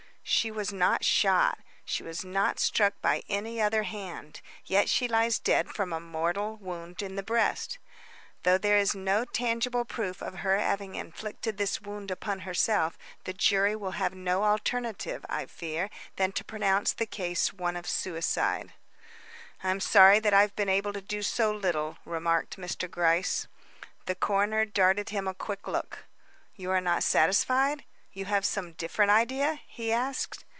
"She was not shot. She was not struck by any other hand; yet she lies dead from a mortal wound in the breast. Though there is no tangible proof of her having inflicted this wound upon herself, the jury will have no alternative, I fear, than to pronounce the case one of suicide." "I'm sorry that I've been able to do so little," remarked Mr. Gryce. The coroner darted him a quick look. "You are not satisfied? You have some different idea?" he asked.